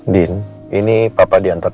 din ini papa diantar